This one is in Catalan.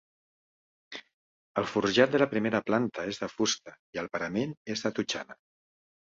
El forjat de la primera planta és de fusta i el parament és de totxana.